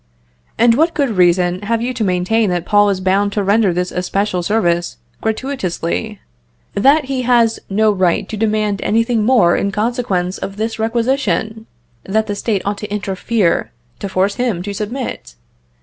And what good reason have you to maintain that Paul is bound to render this especial service gratuitously; that he has no right to demand anything more in consequence of this requisition; that the State ought to interfere to force him to submit?